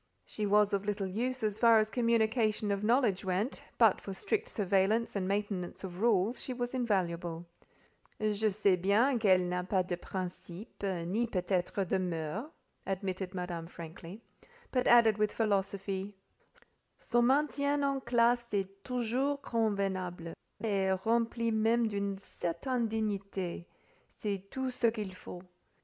She was of little use as far as communication of knowledge went, but for strict surveillance and maintenance of rules she was invaluable. "Je sais bien qu'elle n'a pas de principes, ni, peut être, de moeurs," admitted Madame frankly; but added with philosophy, "son maintien en classe est toujours convenable et rempli même d'une certaine dignité: c'est tout ce qu'il faut.